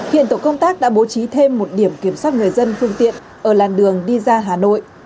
hiện tổ công tác đã bố trí thêm một điểm kiểm soát người dân phương tiện ở làn đường đi ra hà nội